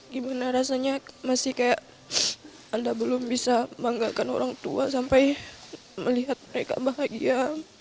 gimana rasanya masih kayak anda belum bisa banggakan orang tua sampai melihat mereka bahagia